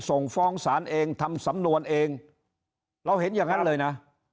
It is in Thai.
ส่งฟ้องศาลเองทำสำนวนเองเราเห็นอย่างนั้นเลยนะ